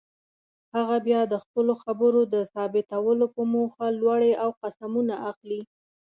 هغه بیا د خپلو خبرو د ثابتولو په موخه لوړې او قسمونه اخلي.